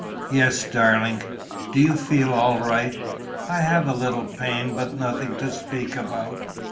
"Yes, darling." "Do you feel all right?" "I have a little pain, but nothing to speak about."